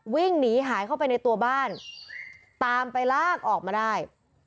วิ่งหนีหายเข้าไปในตัวบ้านตามไปลากออกมาได้